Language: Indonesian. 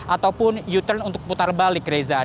ataupun u turn untuk putar balik reza